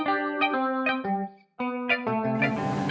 kirain di depan rumah gue